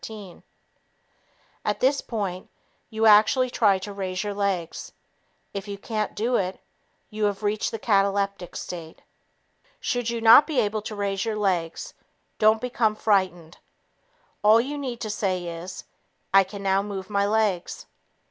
At this point, you actually try to raise your legs. If you can't do it, you have reached the cataleptic stage. Should you not be able to raise your legs, don't become frightened. All you need to say is: "I can now move my legs."